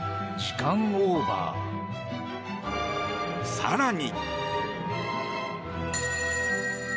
更に。